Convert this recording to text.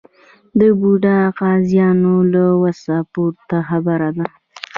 د بوډا قاضیانو له وسه پورته خبره ده.